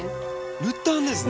塗ったんですね。